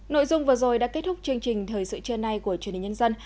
nội dung vừa rồi đã kết thúc chương trình thời sự trưa nay của chuyên đình nhân dân